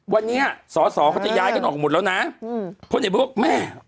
วันนี้สอสอเขาจะย้ายกันออกหมดแล้วนะอืมพลเอกเบิกแม่